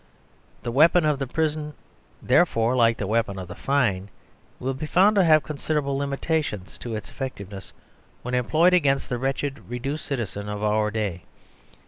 The weapon of the prison, therefore, like the weapon of the fine, will be found to have considerable limitations to its effectiveness when employed against the wretched reduced citizen of our day.